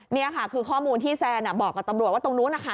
นี่ค่ะคือข้อมูลที่แซนบอกกับตำรวจว่าตรงนู้นนะคะ